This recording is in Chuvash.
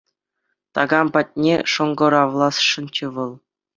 Такам патне шӑнкӑравласшӑнччӗ вӑл.